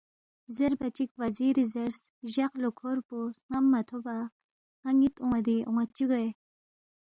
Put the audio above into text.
زیربا چِک وزیری زیرس، جق لوکھور پو سن٘م مہ تھوبا نہ نِ٘ت اون٘یدی اون٘ا چِہ گوے